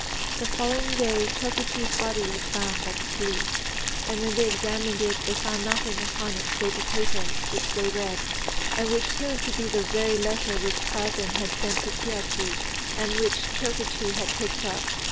The following day, Chokichi's body was found by the police; and when they examined it, they found nothing upon it save a paper, which they read, and which proved to be the very letter which Sazen had sent to Kihachi, and which Chokichi had picked up.